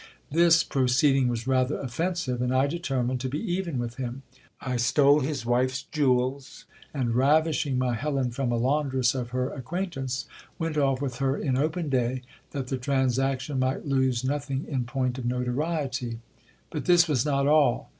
This proceeding was rather offensive ; and I determined to be even with him. I stole his wife's jewels ; and ravishing my Helen from a laundress of her ac quaintance, went off with her in open day, that the transaction might lose no THE CAPTAIN ADDRESSES GIL BIAS. 13 thing in point of notoriety. But this was not all.